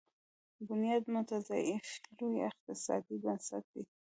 بنیاد مستضعفین لوی اقتصادي بنسټ دی.